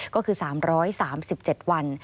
ก็คือ๓๓๗วัน